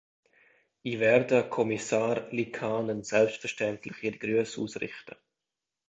Ich werde Kommissar Liikanen selbstverständlich ihre Grüße ausrichten.